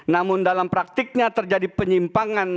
namun dalam praktiknya terjadi penyimpangan